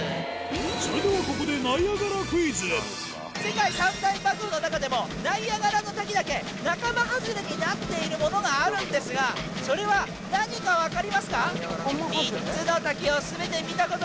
それではここで世界三大瀑布の中でもナイアガラの滝だけ仲間外れになっているものがあるんですがそれは何か分かりますか？